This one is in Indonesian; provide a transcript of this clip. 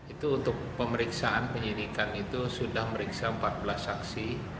itu untuk pemeriksaan penyidikan itu sudah meriksa empat belas saksi